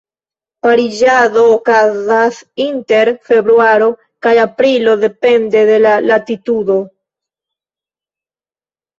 Pariĝado okazas inter februaro kaj aprilo, depende de la latitudo.